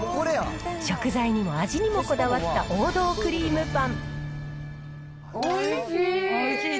食材にも味にもこだわった王道クリームパン。